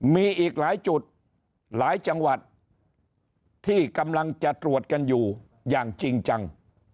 มีอีกหลายจุดหลายจังหวัดที่กำลังจะตรวจกันอยู่อย่างจริงจัง